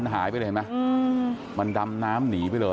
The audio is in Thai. นี่พยายามโอ้โฮ